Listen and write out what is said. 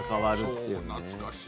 そう、懐かしい。